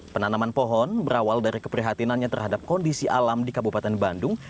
penanaman pohon berawal dari keprihatinannya terhadap kondisi alam di kabupaten bandung